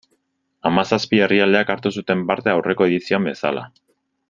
Hamazazpi herrialdek hartu zuten parte, aurreko edizioan bezala.